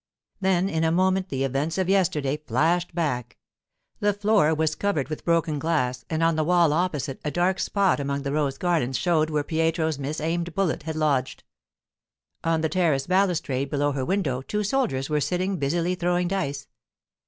Then in a moment the events of yesterday flashed back. The floor was covered with broken glass, and on the wall opposite a dark spot among the rose garlands showed where Pietro's misaimed bullet had lodged. On the terrace balustrade below her window two soldiers were sitting, busily throwing dice.